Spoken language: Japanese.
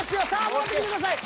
戻ってきてください。